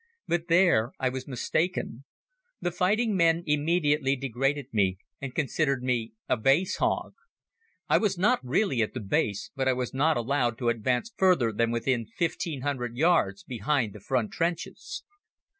But there I was mistaken. The fighting men immediately degraded me and considered me a Base hog. I was not really at the Base but I was not allowed to advance further than within 1500 yards behind the front trenches.